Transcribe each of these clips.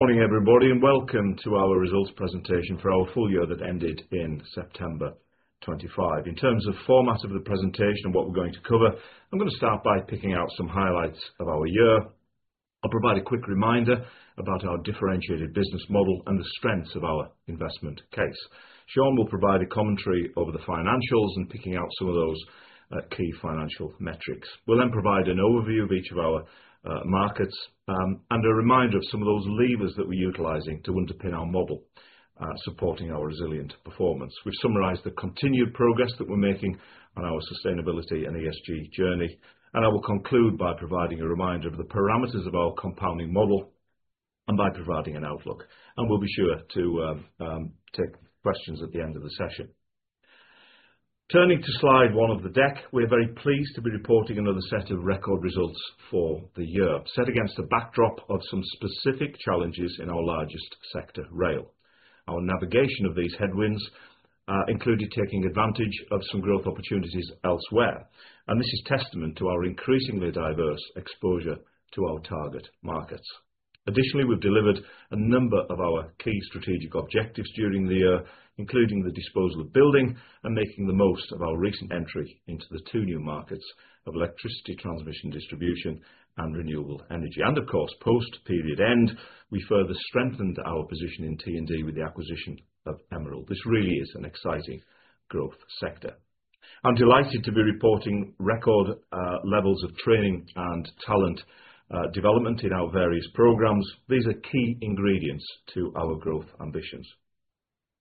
Morning, everybody, and welcome to our results presentation for our full year that ended in September 2025. In terms of format of the presentation and what we're going to cover, I'm gonna start by picking out some highlights of our year and provide a quick reminder about our differentiated business model and the strengths of our investment case. Sean will provide a commentary over the financials and picking out some of those key financial metrics. We'll then provide an overview of each of our markets and a reminder of some of those levers that we're utilizing to underpin our model supporting our resilient performance, which summarize the continued progress that we're making on our sustainability and ESG journey. I will conclude by providing a reminder of the parameters of our compounding model and by providing an outlook, and we'll be sure to take questions at the end of the session. Turning to slide one of the deck, we're very pleased to be reporting another set of record results for the year, set against a backdrop of some specific challenges in our largest sector, rail. Our navigation of these headwinds included taking advantage of some growth opportunities elsewhere, and this is testament to our increasingly diverse exposure to our target markets. Additionally, we've delivered a number of our key strategic objectives during the year, including the disposal of building and making the most of our recent entry into the two new markets of electricity transmission, distribution, and renewable energy. Of course, post-period end, we further strengthened our position in T&D with the acquisition of Emerald. This really is an exciting growth sector. I'm delighted to be reporting record levels of training and talent development in our various programs. These are key ingredients to our growth ambitions.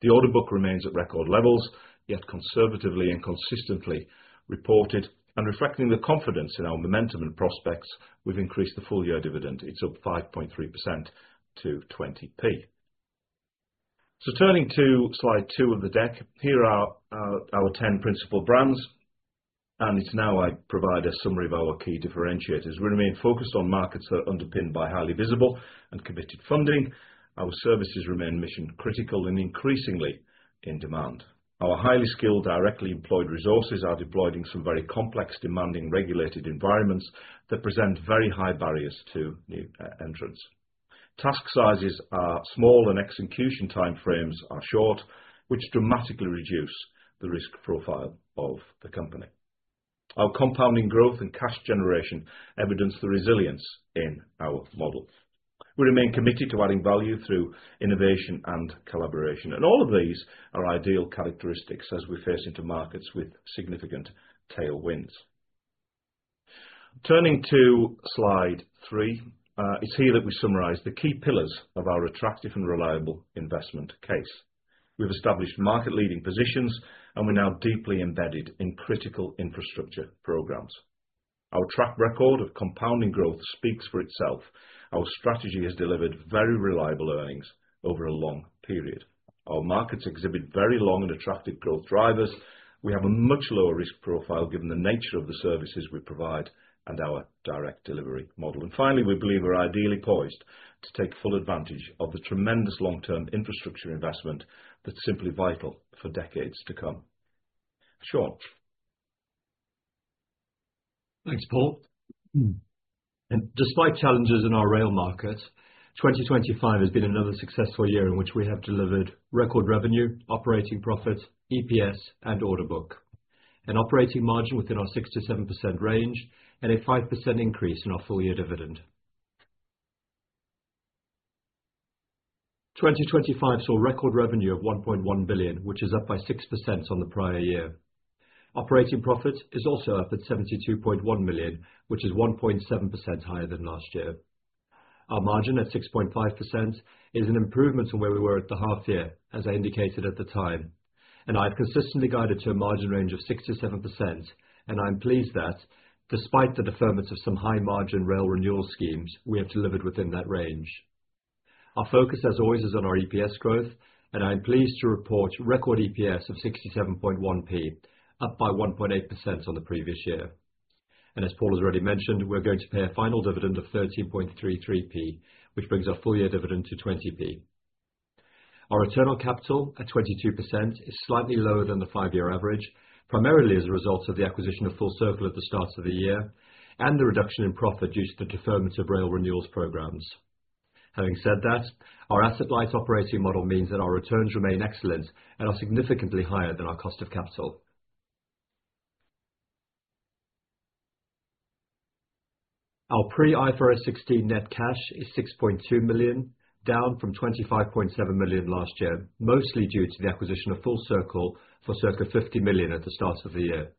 The order book remains at record levels, yet conservatively and consistently reported and reflecting the confidence in our momentum and prospects, we've increased the full-year dividend. It's up 5.3% to 20p. Turning to slide two of the deck. Here are our 10 principal brands, and now I provide a summary of our key differentiators. We remain focused on markets that are underpinned by highly visible and committed funding. Our services remain mission-critical and increasingly in demand. Our highly skilled, directly employed resources are deployed in some very complex, demanding, regulated environments that present very high barriers to new entrants. Task sizes are small and execution timeframes are short, which dramatically reduce the risk profile of the company. Our compounding growth and cash generation evidence the resilience in our model. We remain committed to adding value through innovation and collaboration, and all of these are ideal characteristics as we face into markets with significant tailwinds. Turning to slide three, it's here that we summarize the key pillars of our attractive and reliable investment case. We've established market-leading positions, and we're now deeply embedded in critical infrastructure programs. Our track record of compounding growth speaks for itself. Our strategy has delivered very reliable earnings over a long period. Our markets exhibit very long and attractive growth drivers. We have a much lower risk profile, given the nature of the services we provide and our direct delivery model. And finally, we believe we're ideally poised to take full advantage of the tremendous long-term infrastructure investment that's simply vital for decades to come. Sean? Thanks, Paul. Despite challenges in our rail market, 2025 has been another successful year in which we have delivered record revenue, operating profit, EPS, and order book, an operating margin within our 6%-7% range, and a 5% increase in our full-year dividend. 2025 saw record revenue of 1.1 billion, which is up by 6% on the prior year. Operating profit is also up at 72.1 million, which is 1.7% higher than last year. Our margin, at 6.5%, is an improvement on where we were at the half year, as I indicated at the time, and I've consistently guided to a margin range of 6%-7%, and I'm pleased that despite the deferment of some high-margin rail renewal schemes, we have delivered within that range. Our focus, as always, is on our EPS growth, and I'm pleased to report record EPS of 67.1p, up by 1.8% on the previous year. As Paul has already mentioned, we're going to pay a final dividend of 13.33p, which brings our full year dividend to 20p. Our return on capital at 22% is slightly lower than the 5-year average, primarily as a result of the acquisition of Full Circle at the start of the year and the reduction in profit due to the deferment of rail renewals programs. Having said that, our asset-light operating model means that our returns remain excellent and are significantly higher than our cost of capital. Our pre-IFRS 16 net cash is 6.2 million, down from 25.7 million last year, mostly due to the acquisition of Full Circle for circa 50 million at the start of the year.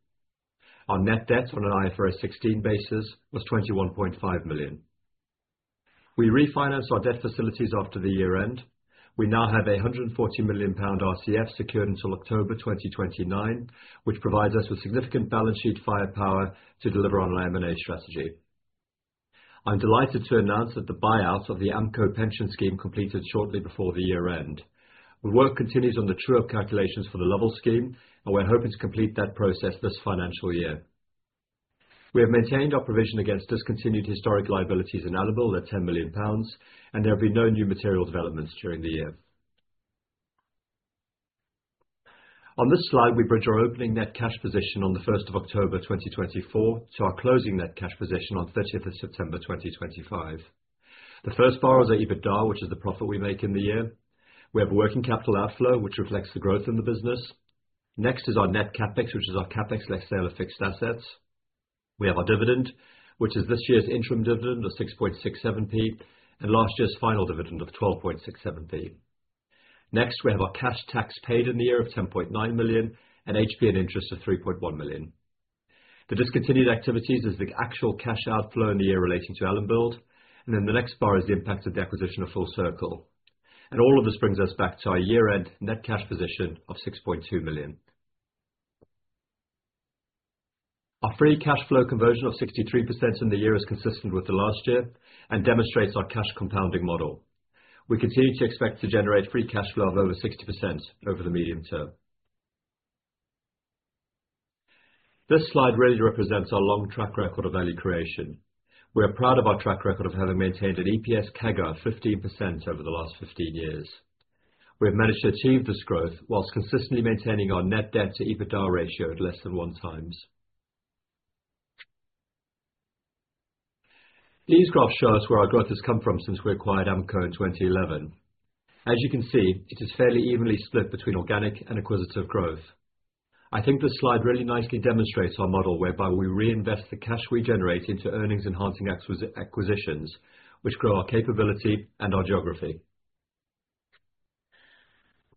Our net debt on an IFRS 16 basis was 21.5 million. We refinanced our debt facilities after the year-end. We now have a 140 million pound RCF secured until October 2029, which provides us with significant balance sheet firepower to deliver on our M&A strategy. I'm delighted to announce that the buyout of the Amco pension scheme completed shortly before the year-end. The work continues on the true-up calculations for the Lovell scheme, and we're hoping to complete that process this financial year. We have maintained our provision against discontinued historic liabilities in total at 10 million pounds, and there have been no new material developments during the year. On this slide, we bridge our opening net cash position on the first of October 2024, to our closing net cash position on the thirtieth of September 2025. The first bar is our EBITDA, which is the profit we make in the year. We have working capital outflow, which reflects the growth in the business. Next is our net CapEx, which is our CapEx less sale of fixed assets. We have our dividend, which is this year's interim dividend of 6.67p, and last year's final dividend of 12.67p. Next, we have our cash tax paid in the year of 10.9 million, and HP and interest of 3.1 million. The discontinued activities is the actual cash outflow in the year relating to Allenbuild, and then the next bar is the impact of the acquisition of Full Circle. All of this brings us back to our year-end net cash position of 6.2 million. Our free cash flow conversion of 63% in the year is consistent with the last year, and demonstrates our cash compounding model. We continue to expect to generate free cash flow of over 60% over the medium term. This slide really represents our long track record of value creation. We are proud of our track record of having maintained an EPS CAGR of 15% over the last 15 years. We have managed to achieve this growth whilst consistently maintaining our net debt to EBITDA ratio at less than 1x. These graphs show us where our growth has come from since we acquired Amco in 2011. As you can see, it is fairly evenly split between organic and acquisitive growth. I think this slide really nicely demonstrates our model, whereby we reinvest the cash we generate into earnings enhancing acquisitions, which grow our capability and our geography.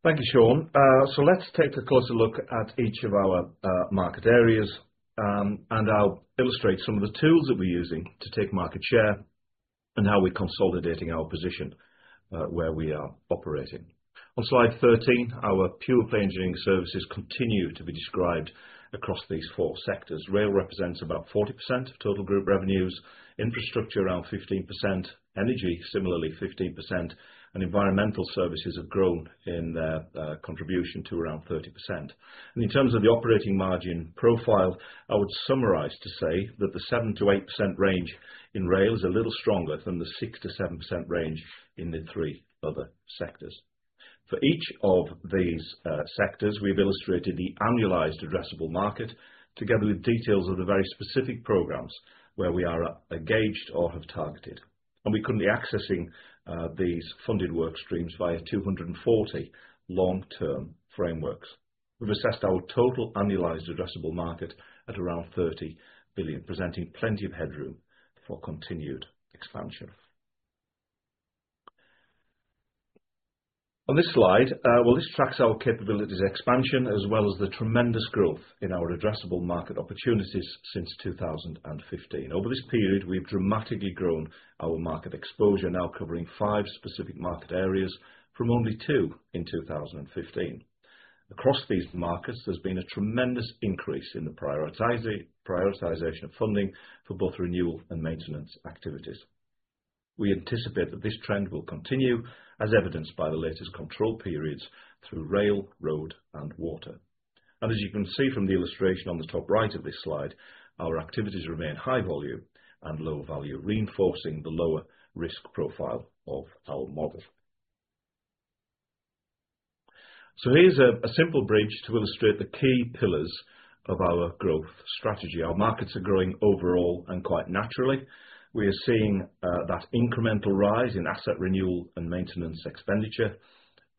Thank you, Sean. So let's take a closer look at each of our market areas, and I'll illustrate some of the tools that we're using to take market share, and how we're consolidating our position, where we are operating. On slide 13, our pure play engineering services continue to be described across these four sectors. Rail represents about 40% of total group revenues, infrastructure, around 15%, energy, similarly 15%, and environmental services have grown in their contribution to around 30%. In terms of the operating margin profile, I would summarize to say that the 7%-8% range in rail is a little stronger than the 6%-7% range in the three other sectors. For each of these sectors, we've illustrated the annualized addressable market, together with details of the very specific programs where we are engaged or have targeted. We couldn't be accessing these funded work streams via 240 long-term frameworks. We've assessed our total annualized addressable market at around 30 billion, presenting plenty of headroom for continued expansion. On this slide, well, this tracks our capabilities expansion, as well as the tremendous growth in our addressable market opportunities since 2015. Over this period, we've dramatically grown our market exposure, now covering five specific market areas from only two in 2015. Across these markets, there's been a tremendous increase in the prioritization of funding for both renewal and maintenance activities. We anticipate that this trend will continue, as evidenced by the latest control periods through rail, road, and water. And as you can see from the illustration on the top right of this slide, our activities remain high volume and low value, reinforcing the lower risk profile of our model. So here's a simple bridge to illustrate the key pillars of our growth strategy. Our markets are growing overall and quite naturally. We are seeing that incremental RISE in asset renewal and maintenance expenditure.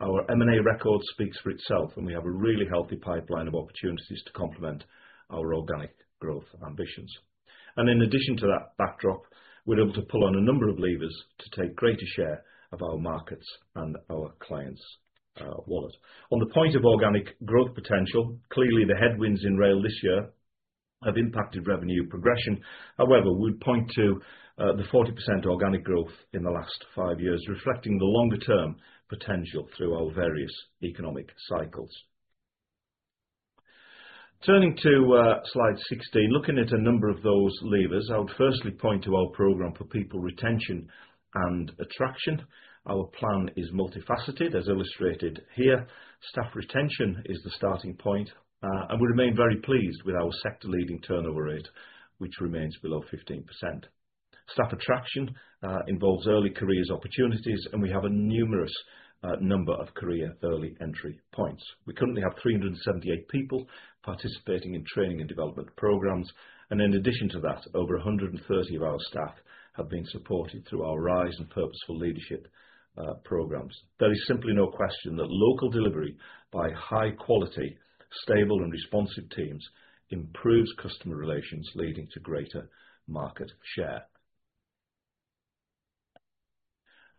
Our M&A record speaks for itself, and we have a really healthy pipeline of opportunities to complement our organic growth ambitions. And in addition to that backdrop, we're able to pull on a number of levers to take greater share of our markets and our clients' wallet. On the point of organic growth potential, clearly, the headwinds in rail this year have impacted revenue progression. However, we point to the 40% organic growth in the last 5 years, reflecting the longer term potential through our various economic cycles. Turning to slide 16, looking at a number of those levers, I would firstly point to our program for people retention and attraction. Our plan is multifaceted, as illustrated here. Staff retention is the starting point, and we remain very pleased with our sector-leading turnover rate, which remains below 15%. Staff attraction involves early careers opportunities, and we have a numerous, number of career early entry points. We currently have 378 people participating in training and development programs, and in addition to that, over 130 of our staff have been supported through our RISE and Purposeful Leadership programs. There is simply no question that local delivery by high quality, stable and responsive teams, improves customer relations, leading to greater market share.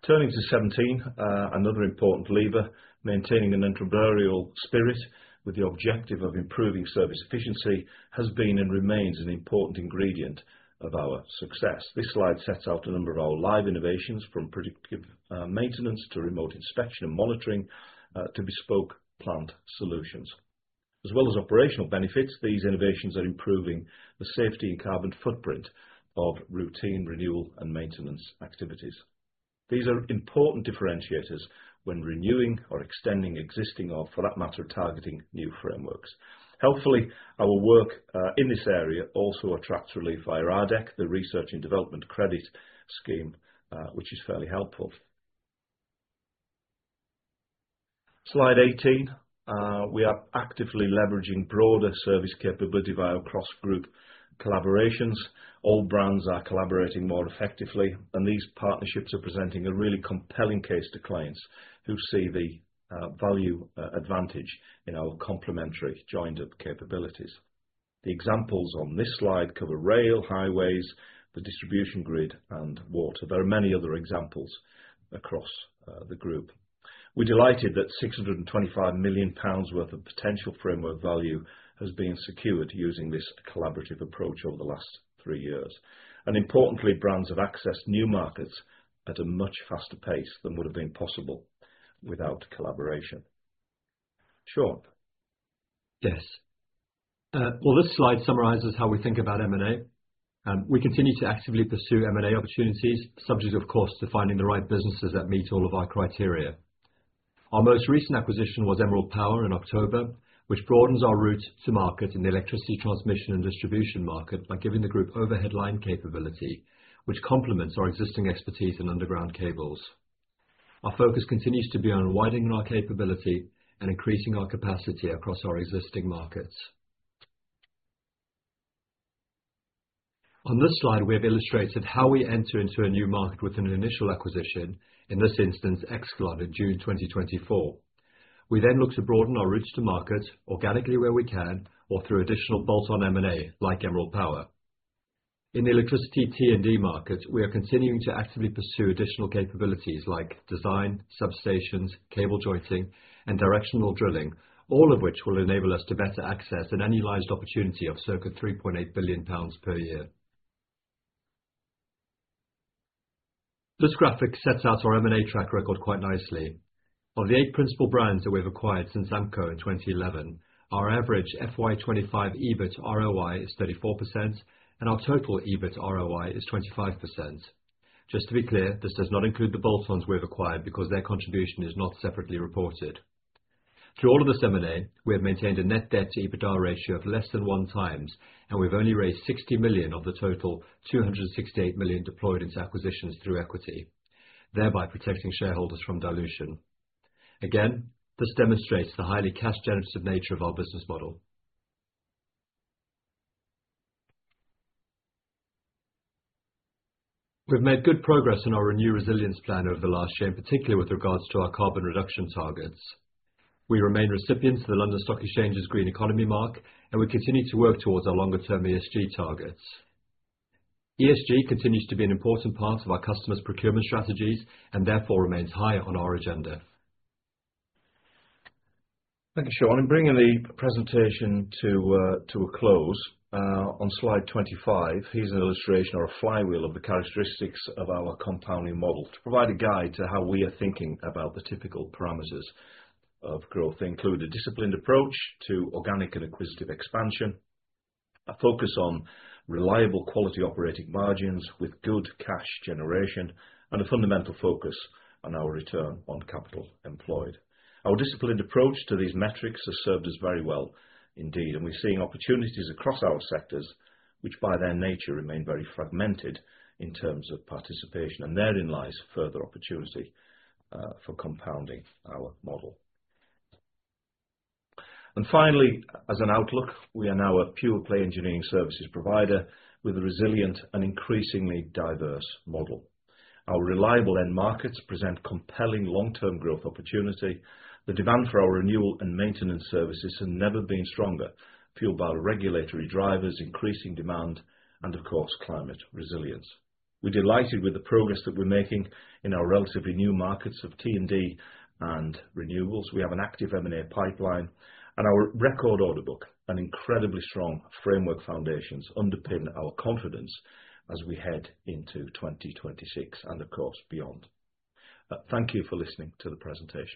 Turning to 17, another important lever, maintaining an entrepreneurial spirit with the objective of improving service efficiency, has been and remains an important ingredient of our success. This slide sets out a number of our live innovations, from predictive maintenance to remote inspection and monitoring to bespoke plant solutions. As well as operational benefits, these innovations are improving the safety and carbon footprint of routine, renewal and maintenance activities. These are important differentiators when renewing or extending existing or, for that matter, targeting new frameworks.... Helpfully, our work in this area also attracts relief via RDEC, the Research and Development Credit Scheme, which is fairly helpful. Slide 18. We are actively leveraging broader service capability via our cross-group collaborations. All brands are collaborating more effectively, and these partnerships are presenting a really compelling case to clients who see the value, advantage in our complementary joined-up capabilities. The examples on this slide cover rail, highways, the distribution grid, and water. There are many other examples across the group. We're delighted that 625 million pounds worth of potential framework value has been secured using this collaborative approach over the last three years. And importantly, brands have accessed new markets at a much faster pace than would have been possible without collaboration. Sean? Yes. Well, this slide summarizes how we think about M&A, and we continue to actively pursue M&A opportunities, subject, of course, to finding the right businesses that meet all of our criteria. Our most recent acquisition was Emerald Power in October, which broadens our route to market in the electricity transmission and distribution market by giving the group overhead line capability, which complements our existing expertise in underground cables. Our focus continues to be on widening our capability and increasing our capacity across our existing markets. On this slide, we have illustrated how we enter into a new market with an initial acquisition, in this instance, Excalon in June 2024. We then look to broaden our route to market organically, where we can, or through additional bolt-on M&A, like Emerald Power. In the electricity T&D market, we are continuing to actively pursue additional capabilities like design, substations, cable jointing, and directional drilling, all of which will enable us to better access an annualized opportunity of circa 3.8 billion pounds per year. This graphic sets out our M&A track record quite nicely. Of the 8 principal brands that we've acquired since Amco in 2011, our average FY 25 EBIT ROI is 34%, and our total EBIT ROI is 25%. Just to be clear, this does not include the bolt-ons we've acquired because their contribution is not separately reported. Through all of this M&A, we have maintained a net debt to EBITDA ratio of less than 1x, and we've only raised 60 million of the total 268 million deployed into acquisitions through equity, thereby protecting shareholders from dilution. Again, this demonstrates the highly cash-generative nature of our business model. We've made good progress on our renewed resilience plan over the last year, in particular with regards to our carbon reduction targets. We remain recipients of the London Stock Exchange's Green Economy Mark, and we continue to work toward our longer-term ESG targets. ESG continues to be an important part of our customers' procurement strategies, and therefore remains high on our agenda. Thank you, Sean. In bringing the presentation to a close, on slide 25, here's an illustration or a flywheel of the characteristics of our compounding model. To provide a guide to how we are thinking about the typical parameters of growth include a disciplined approach to organic and acquisitive expansion, a focus on reliable quality operating margins with good cash generation, and a fundamental focus on our return on capital employed. Our disciplined approach to these metrics has served us very well indeed, and we're seeing opportunities across our sectors, which by their nature remain very fragmented in terms of participation, and therein lies further opportunity for compounding our model. And finally, as an outlook, we are now a pure-play engineering services provider with a resilient and increasingly diverse model. Our reliable end markets present compelling long-term growth opportunity. The demand for our renewal and maintenance services has never been stronger, fueled by regulatory drivers, increasing demand, and of course, climate resilience. We're delighted with the progress that we're making in our relatively new markets of T&D and renewables. We have an active M&A pipeline and our record order book, and incredibly strong framework foundations underpin our confidence as we head into 2026 and, of course, beyond. Thank you for listening to the presentation.